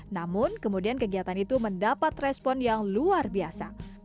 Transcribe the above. namun kemudian kegiatan itu mendapat respon yang luar biasa